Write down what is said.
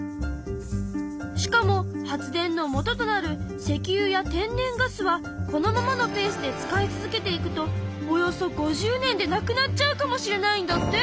しかも発電のもととなる石油や天然ガスはこのままのペースで使い続けていくとおよそ５０年で無くなっちゃうかもしれないんだって。